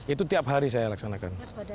itu tiap hari saya laksanakan